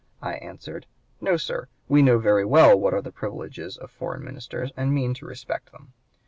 I answered, 'No, sir. We know very well what are the privileges of foreign ministers, and mean to respect them.